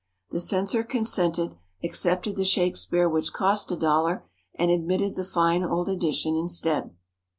The censor consented, accepted the Shakespeare which cost a dollar, and admitted the fine old edition instead.